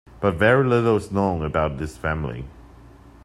But very little is known about this family.